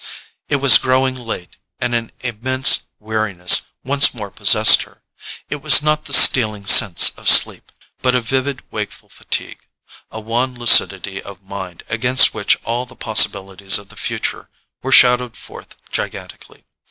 It was growing late, and an immense weariness once more possessed her. It was not the stealing sense of sleep, but a vivid wakeful fatigue, a wan lucidity of mind against which all the possibilities of the future were shadowed forth gigantically.